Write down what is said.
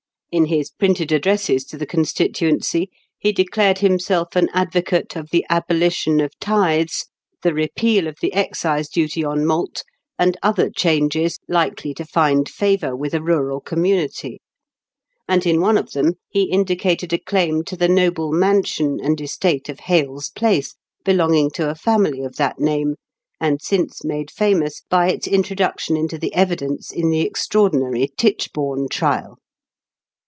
In his printed addresses to the constituency, he declared himself an advocate of the abolition of tithes, the repeal of the excise duty on malt, and other changes likely to find favour with a rural community; and in one of them he indicated a claim to the noble mansion and estate of Hales Place, belonging to a family of that name, and since made famous by its introduction into the evidence in the extra ordinary Tichbome trial.